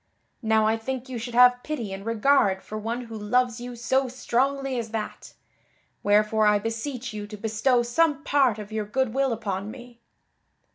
Now I think you should have pity and regard for one who loves you so strongly as that; wherefore I beseech you to bestow some part of your good will upon me."